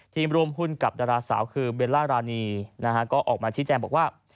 ทีมร่วมหุ้นกับดาราสาวคือเบลล่ารานีนะฮะก็ออกมาชี้แจงบอกว่า